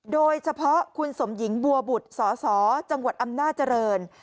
โดยเฉพาะคุณสมหญิงบัวบุตรสสจังหวัดอำนาจริง